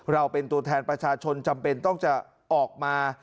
เราเป็นตัวแทนประชาชนจำเป็นต้องจะออกมา